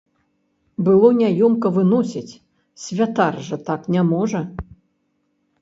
Было няёмка выносіць, святар жа так не можа.